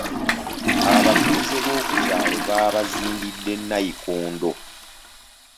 Abatuuze b'oku kyalo baabazimbidde nnayikondo.